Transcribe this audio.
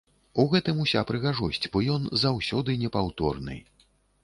У гэтым уся прыгажосць, бо ён заўсёды непаўторны.